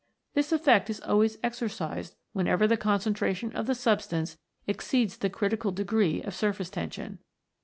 This effect is always exercised when ever the concentration of the substance exceeds the critical degree of surface tension.